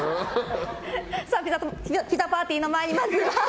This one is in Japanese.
ピザパーティーの前にまずは。